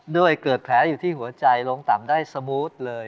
เกิดแผลอยู่ที่หัวใจลงต่ำได้สมูทเลย